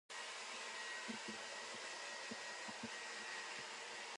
老罔老，哺土豆